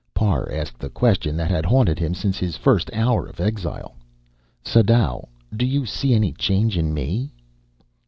Parr asked the question that had haunted him since his first hour of exile: "Sadau, do you see any change in me?"